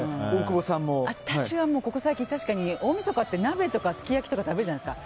私は、ここ最近確かに大晦日って鍋とかすき焼きとか食べるじゃないですか。